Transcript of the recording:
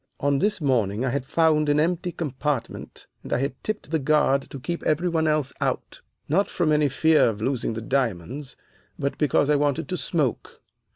On this morning I had found an empty compartment, and I had tipped the guard to keep every one else out, not from any fear of losing the diamonds, but because I wanted to smoke.